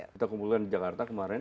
kita kumpulkan di jakarta kemarin